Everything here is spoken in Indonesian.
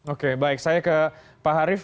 oke baik saya ke pak harif